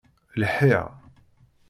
Lḥiɣ.